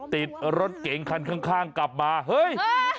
ติดรถเก๋งคันข้างกลับมาเฮ้ย